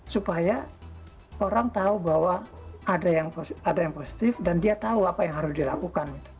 supaya orang tahu bahwa ada yang positif dan dia tahu apa yang harus dilakukan